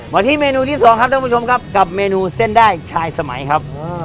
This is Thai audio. มาที่เมนูที่สองครับท่านผู้ชมครับกับเมนูเส้นได้ชายสมัยครับ